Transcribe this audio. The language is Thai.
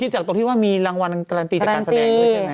จากต่อที่ว่ามีรางวัลการันติจากการแสดง